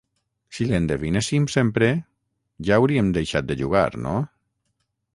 Si l'endevinéssim sempre ja hauríem deixat de jugar, no?